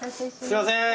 すいません。